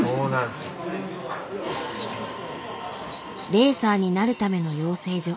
レーサーになるための養成所。